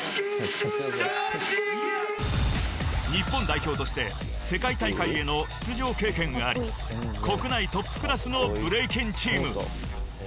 ［日本代表として世界大会への出場経験があり国内トップクラスのブレイキンチーム］